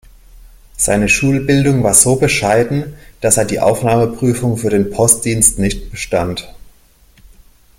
Seine Schulbildung war so bescheiden, dass er die Aufnahmeprüfung für den Postdienst nicht bestand.